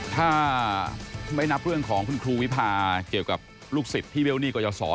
ถ้าไม่นับเรื่องของคุณครูวิพาเกี่ยวกับลูกศิษย์ที่เวลหนี้กรยาศร